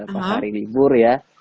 pas hari libur ya